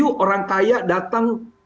yuk orang kaya datang di jkn